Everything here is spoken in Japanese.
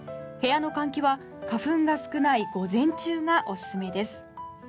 部屋の換気は、花粉が少ない午前中がおすすめです。